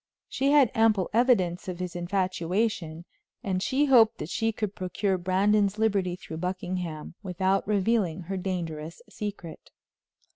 She had ample evidence of his infatuation, and she hoped that she could procure Brandon's liberty through Buckingham without revealing her dangerous secret.